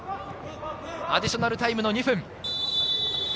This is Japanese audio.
アディショナルタイムの２分。